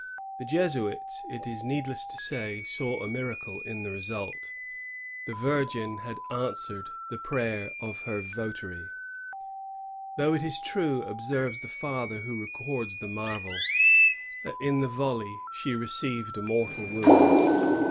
The Jesuits, it is needless to say, saw a miracle in the result. The Virgin had answered the prayer of her votary, — "though it is true," observes the father who records the marvel, "that, in the volley, she received a mortal wound."